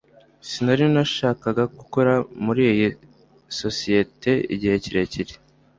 sinari nashakaga gukora muri iyi sosiyete igihe kirekire